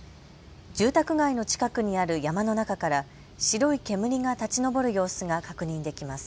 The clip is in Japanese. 住宅街の近くにある山の中から白い煙が立ち上る様子が確認できます。